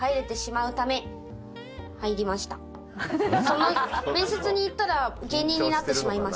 その面接に行ったら芸人になってしまいました。